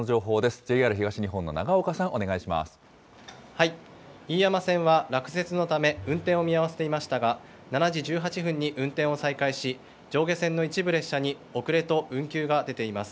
ＪＲ東日本の長岡さん、お願いし飯山線は落雪のため、運転を見合わせていましたが、７時１８分に運転を再開し、上下線の一部列車に遅れと運休が出ています。